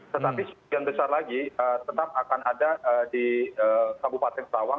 tetapi sebagian besar lagi tetap akan ada di kabupaten sawang